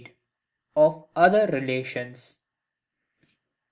OF OTHER RELATIONS.